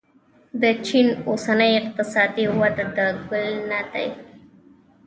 د چین اوسنۍ اقتصادي وده د کل نه دی.